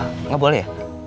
nggak boleh ya